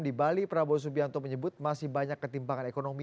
di bali prabowo subianto menyebut masih banyak ketimpangan ekonomi